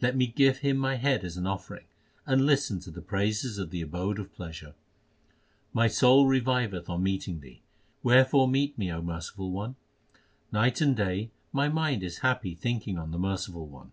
Let me give him my head as an offering, and listen to the praises of the Abode of pleasure. My soul reviveth on meeting Thee ; wherefore meet me, O Merciful One. Night and day my mind is happy thinking on the Merciful One.